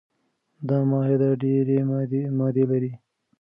دا معاهده ډیري مادې لري.